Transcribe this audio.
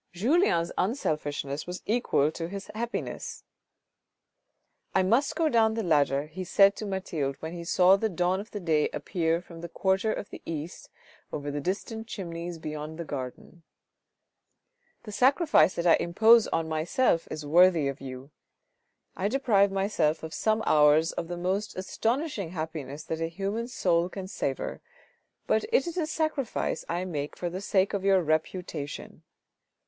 Julien's unselfishness was equal to his happiness. " I must go down by the ladder," he said to Mathilde, when he saw the dawn of day appear from the quarter of the east over the THE OPERA BOUFFE 369 distant chimneys beyond the garden. " The sacrifice that I impose on myself is worthy of you. I deprive myself of some hours of the most astonishing happiness that a human soul can savour, but it is a sacrifice I make for the sake of your reputation.